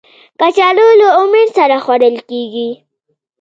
کچالو له امید سره خوړل کېږي